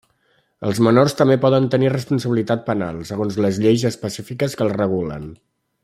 Els menors també poden tenir responsabilitat penal, segons les lleis específiques que la regulen.